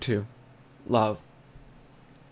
LOVE. I.